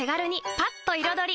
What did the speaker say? パッと彩り！